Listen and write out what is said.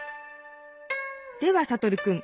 ではサトルくん。